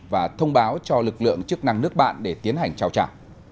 và thông báo cho lực lượng chức năng nước bạn để tiến hành trao trả